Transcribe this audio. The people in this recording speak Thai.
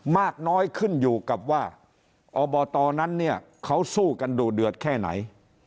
มากน้อยขึ้นอยู่กับว่าอบตนั้นเนี่ยเขาสู้กันดูเดือดแค่ไหน